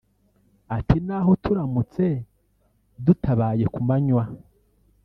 Ati “Naho turamutse dutabaye ku manywa